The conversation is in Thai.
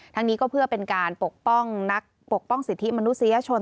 ทั้งนี้ก็เพื่อเป็นการปกป้องสิทธิมนุษยชน